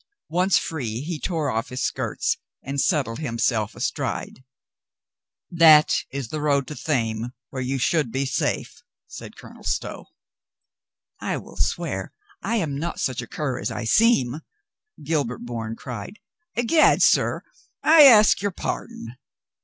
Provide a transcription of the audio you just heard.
Once free, he tore off his skirts and settled himself astride. "That is the road to Thame, where you should be safe," said Colonel Stow. "I will swear I am not such a cur as I seem," Gil bert Bourne cried. "I'gad, sir, I ask your pardon."